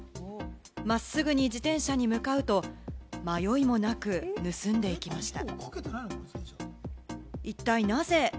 真っすぐに自転車に向かうと、迷いもなく盗んでいきました。